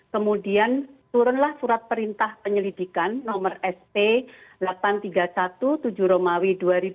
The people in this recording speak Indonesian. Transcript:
kemudian turunlah surat perintah penyelidikan nomor st delapan ratus tiga puluh satu tujuh romawi dua ribu dua puluh